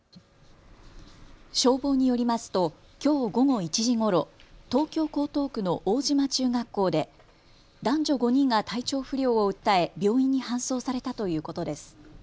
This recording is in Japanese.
消防によりますときょう午後１時ごろ東京江東区の大島中学校で男女５人が体調不良を訴え病院に搬送されたということです。